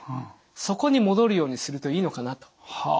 そこに戻るようにするといいのかなと。